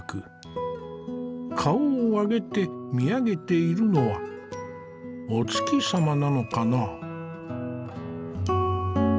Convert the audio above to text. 顔を上げて見上げているのはお月様なのかな。